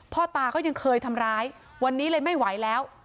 ตาก็ยังเคยทำร้ายวันนี้เลยไม่ไหวแล้ว